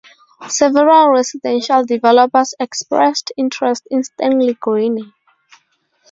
Several residential developers expressed interest in Stanley Greene.